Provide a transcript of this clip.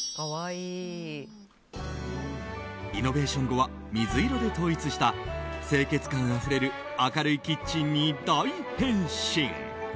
リノベーション後は水色で統一した清潔感あふれる明るいキッチンに大変身。